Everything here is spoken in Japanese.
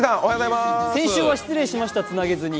先週は失礼しました、つなげずに。